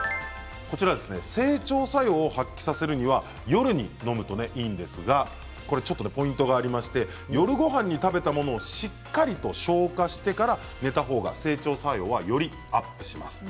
整腸作用を発揮させるには夜に飲むといいんですがちょっとポイントがありまして夜ごはんに食べたものをしっかりと消化してから寝た方が整腸作用はよりアップします。